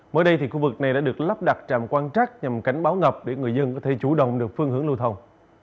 mới đây thì khu vực này đã được lắp đặt trạm quan trắc nhằm cảnh báo ngập để người dân có thể chủ động được phương hướng lưu thông